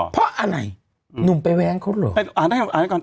เพราะอะไรหนุ่มไปแว้งเขาเหรออ่าได้อ่านให้ก่อนอ่า